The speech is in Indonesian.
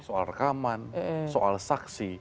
soal rekaman soal saksi